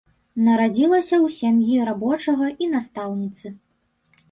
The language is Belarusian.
Нарадзілася ў сям'і рабочага і настаўніцы.